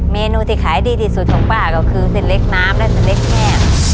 เมนูที่ขายดีสุดของป้าก็คือเสล็กน้ำและเสล็กแห้ง